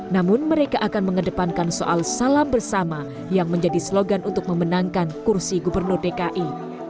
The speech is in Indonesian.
namun mereka akan mengedepankan soal salam bersama yang menjadi slogan untuk memenangkan kursi gubernur dki